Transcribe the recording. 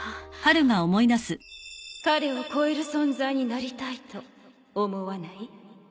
彼を超える存在になりたいと思わない？